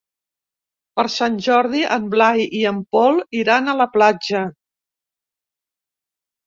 Per Sant Jordi en Blai i en Pol iran a la platja.